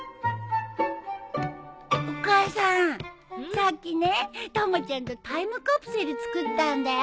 さっきねたまちゃんとタイムカプセル作ったんだよ。